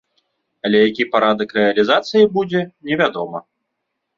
Але які парадак рэалізацыі будзе, невядома.